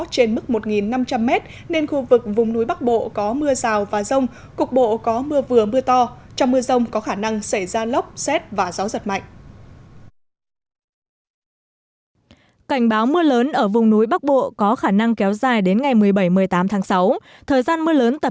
trên mức một năm trăm linh m nên khu vực vùng núi bắc bộ có mưa rào và rông cục bộ có mưa vừa mưa to